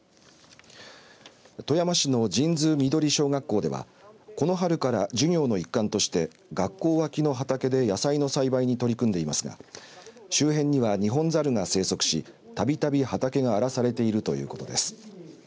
富山市の神通碧小学校ではこの春から授業の一環として学校脇の畑で野菜の栽培に取り組んでいますが周辺にはニホンザルが生息したびたび畑が荒らされているということです。